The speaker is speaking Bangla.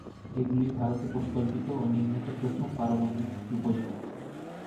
এগুলি ভারতে পরিকল্পিত ও নির্মিত প্রথম পারমাণবিক ডুবোজাহাজ।